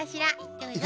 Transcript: どうぞ。